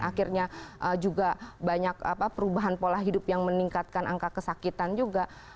akhirnya juga banyak perubahan pola hidup yang meningkatkan angka kesakitan juga